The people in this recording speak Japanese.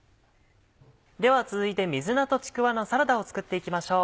では続いて水菜とちくわのサラダを作っていきましょう。